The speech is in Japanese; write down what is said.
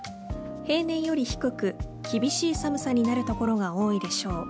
平年より低く厳しい寒さになる所が多いでしょう。